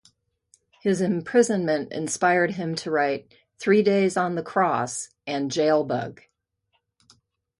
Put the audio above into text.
His imprisonment inspired him to write "Three Days on the Cross" and "Jailbug".